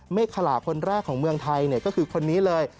เมฆขลาคนแรกของเมืองไทยก็คือคนนี้เลย